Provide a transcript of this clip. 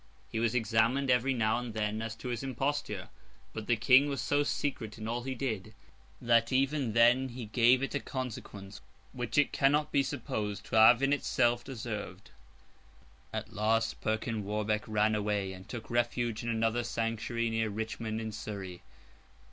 He was examined every now and then as to his imposture; but the King was so secret in all he did, that even then he gave it a consequence, which it cannot be supposed to have in itself deserved. At last Perkin Warbeck ran away, and took refuge in another sanctuary near Richmond in Surrey.